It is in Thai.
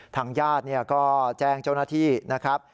ทางญาติก็แจ้งเจ้าหน้าที่นะครับ